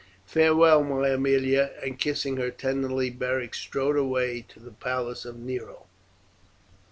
Farewell, my Aemilia!" and kissing her tenderly Beric strode away to the palace of Nero.